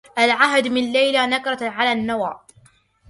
العهد من ليلى نكرت على النوى